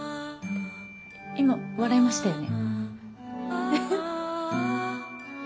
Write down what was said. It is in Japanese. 今笑いましたよね？